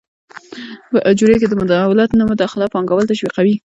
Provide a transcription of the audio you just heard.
په اجورې کې د دولت نه مداخله پانګوال تشویقوي.